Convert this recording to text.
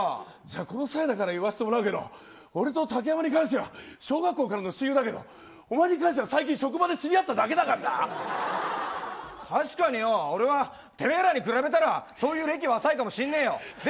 この際だから言わせてもらうけど俺と竹山に関しては小学校からの親友だけどお前に関しては最近、職場で確かによ、俺はてめえらに比べたらそういう歴は浅いかもしれねえよ。